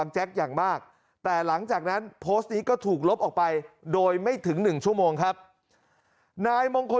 นายมงคลกิจนะฮะ